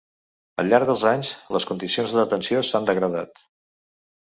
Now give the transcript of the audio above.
Al llarg dels anys, les condicions de detenció s'han degradat.